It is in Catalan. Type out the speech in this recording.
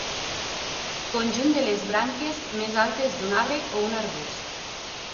Conjunt de les branques més altes d'un arbre o un arbust.